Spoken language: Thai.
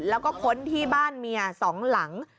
แล้วก็ค้นที่บ้านเมีย๒หลัง